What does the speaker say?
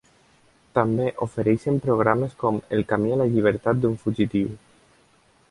També ofereixen programes com "El camí a la llibertat d'un fugitiu".